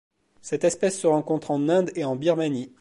Cette espèce se rencontre en Inde et en Birmanie.